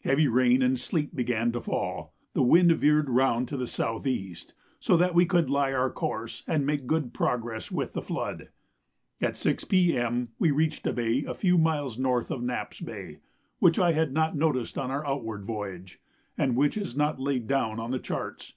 Heavy rain and sleet began to fall; the wind veered round to the S.E., so that we could lie our course, and make good progress with the flood. At 6 P.M. we reached a bay a few miles north of Knapp's Bay, which I had not noticed on our outward voyage, and which is not laid down on the charts.